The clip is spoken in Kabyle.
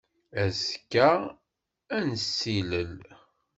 Azekka ad nessilel.